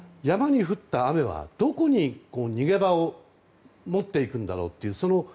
山に降った雨はどこに逃げ場をもっていくんだろう。